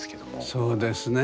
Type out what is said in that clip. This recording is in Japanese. そうですね。